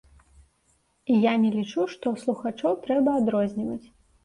І я не лічу, што слухачоў трэба адрозніваць.